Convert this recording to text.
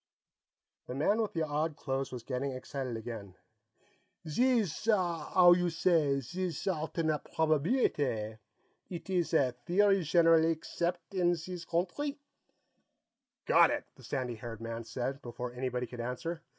The man with the odd clothes was getting excited again. "Zees 'ow you say zees alternate probabeelitay; eet ees a theory zhenerally accept' een zees countree?" "Got it!" the sandy haired man said, before anybody could answer.